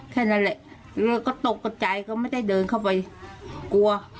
แค่นั้นแหละก็ตกกระใจก็ไม่ได้เดินเข้าไปกลัว